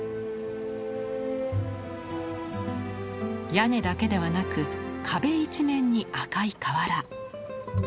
屋根だけではなく壁一面に赤い瓦。